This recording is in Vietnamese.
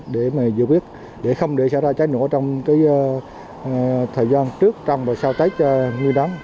để mà dự quyết để không để xảy ra cháy nổ trong thời gian trước trong và sau tết nguyên đám